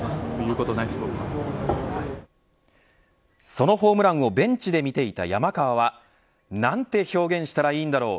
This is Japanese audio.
そのホームランをベンチで見ていた山川はなんて表現したらいいんだろう。